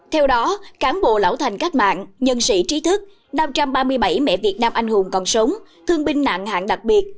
theo đó cán bộ lão thành cách mạng nhân sĩ trí thức năm trăm ba mươi bảy mẹ việt nam anh hùng còn sống thương binh nặng hạng đặc biệt